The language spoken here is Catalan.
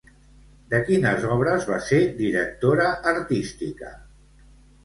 De quines obres va ser directora artística?